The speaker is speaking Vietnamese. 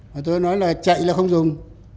mà tôi nói là chạy là không dùng